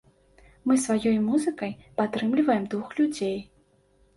Мы сваёй музыкай падтрымліваем дух людзей.